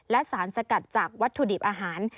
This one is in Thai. และสารสกัดจากวัตถุดิบอาหาร